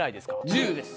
１０です。